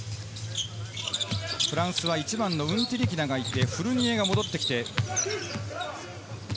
フランスは１番のウンティリキナがいて、フルニエが戻ってきて。